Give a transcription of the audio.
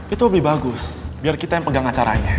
itu lebih bagus biar kita yang pegang acaranya